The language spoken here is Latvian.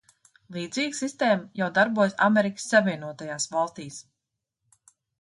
Līdzīga sistēma jau darbojas Amerikas Savienotajās Valstīs.